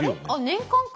年間か。